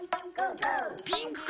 ピンクか？